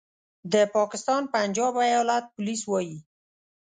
د پاکستان پنجاب ایالت پولیس وايي